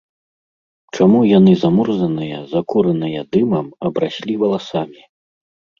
Чаму яны замурзаныя, закураныя дымам, абраслі валасамі?